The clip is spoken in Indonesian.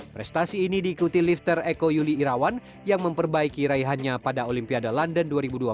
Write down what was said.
prestasi ini diikuti lifter eko yuli irawan yang memperbaiki raihannya pada olimpiade london dua ribu dua belas